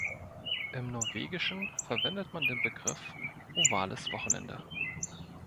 Im Norwegischen verwendet man den Begriff „ovales Wochenende“.